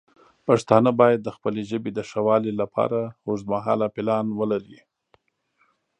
پښتانه باید د خپلې ژبې د ښه والی لپاره اوږدمهاله پلان ولري.